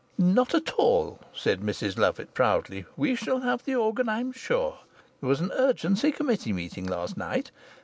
"Not at all," said Mrs Lovatt, proudly. "We shall have the organ, I'm sure. There was an urgency committee meeting last night.